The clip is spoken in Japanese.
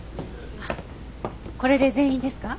これで全員ですか？